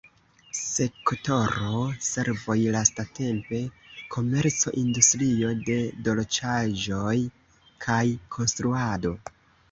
Sektoro servoj lastatempe: komerco, industrio de dolĉaĵoj kaj konstruado.